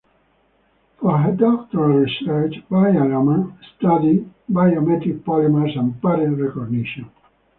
For her doctoral research Jayaraman studied biomimetic polymers and pattern recognition.